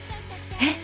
えっ！？